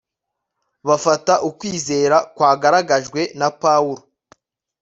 Bafata ukwizera kwagaragajwe na Pawulo